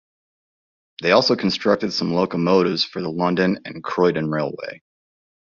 They also constructed some locomotives for the London and Croydon Railway.